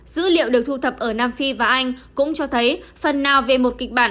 dữ liệu được thu thập ở nam phi và anh cũng cho thấy phần nào về một kịch bản